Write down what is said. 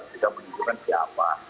bisa menunjukkan siapa